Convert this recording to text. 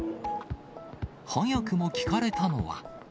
早くも聞かれたのは。